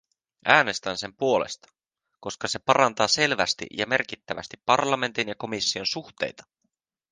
Äänestän sen puolesta, koska se parantaa selvästi ja merkittävästi parlamentin ja komission suhteita.